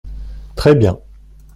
Très bien.